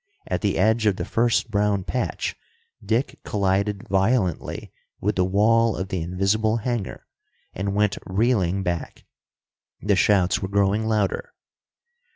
At the edge of the first brown patch Dick collided violently with the wall of the invisible hangar, and went reeling back. The shouts were growing louder.